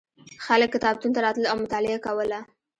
خلک کتابتون ته راتلل او مطالعه یې کوله.